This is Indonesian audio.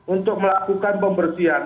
untuk melakukan pembersihan